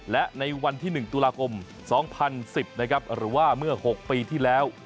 และในวันที่๑ตุลาคม๒๐๑๐นะครับหรือว่าเมื่อ๖ปีที่แล้ว